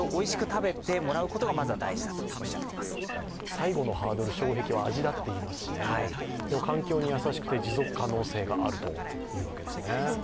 最後のハードル、障壁は味だと言われていますし環境に優しくて持続可能性があるということなんですね。